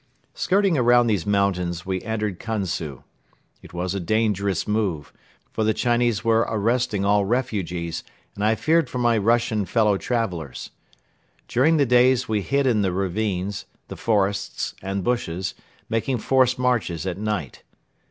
Skirting around these mountains we entered Kansu. It was a dangerous move, for the Chinese were arresting all refugees and I feared for my Russian fellow travelers. During the days we hid in the ravines, the forests and bushes, making forced marches at night.